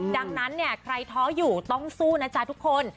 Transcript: ดังนั้นใครท้อยอยู่ต้องสู้นะถุงคน